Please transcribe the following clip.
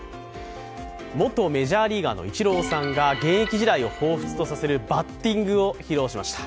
元メジャーリーガーのイチローさんが現役時代をほうふつとさせるバッティングを披露しました。